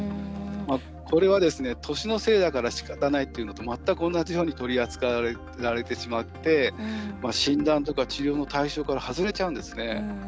これは、年のせいだからしかたないというのと全く同じように取り扱われてしまって診断とか治療の対象から外れちゃうんですね。